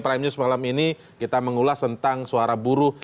prime news malam ini kita mengulas tentang suara buruh